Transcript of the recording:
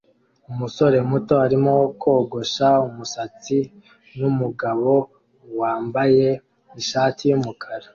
Umusore muto arimo kogosha umusatsi numugabo wambaye ishati yumukara